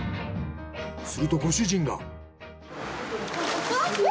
するとご主人が。